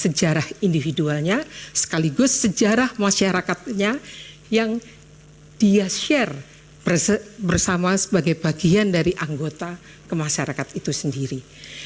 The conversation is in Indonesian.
sejarah individualnya sekaligus sejarah masyarakatnya yang dia share bersama sebagai bagian dari anggota ke masyarakat itu sendiri